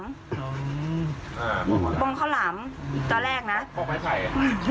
อ๋ออ่าบ้องข้าวหลามบ้องข้าวหลามตอนแรกน่ะบ้องไพ่ไพ่